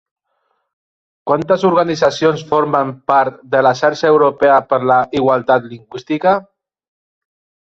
Quantes organitzacions formen part de la Xarxa Europea per la Igualtat Lingüística?